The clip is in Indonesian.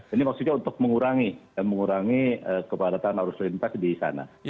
ini maksudnya untuk mengurangi kepadatan arus lintas di sana